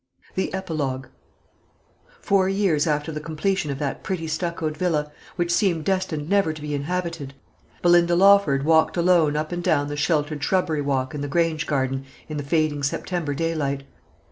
THE EPILOGUE. Four years after the completion of that pretty stuccoed villa, which seemed destined never to be inhabited, Belinda Lawford walked alone up and down the sheltered shrubbery walk in the Grange garden in the fading September daylight.